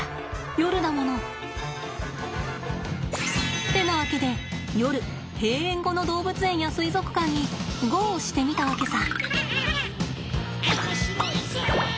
夜だもの。ってなわけで夜閉園後の動物園や水族館にゴーしてみたわけさ。